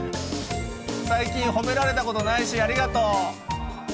最近褒められたことないしありがとう。